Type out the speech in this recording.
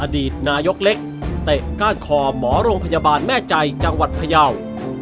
อดีตนายกเล็กเตะก้านคอหมอโรงพยาบาลแม่ใจจังหวัดพยาว